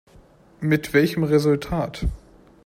Mit welchem Resultat?